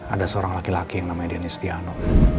ada seorang laki laki yang namanya dennis tiano